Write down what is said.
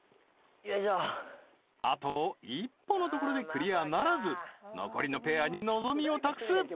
あと一歩のところでクリアならず残りのペアに望みを託す